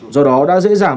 do đó đã dễ dàng